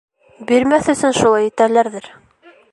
Бирмәҫ өсөн шулай итәләрҙер...